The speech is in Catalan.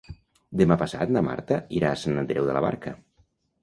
Demà passat na Marta irà a Sant Andreu de la Barca.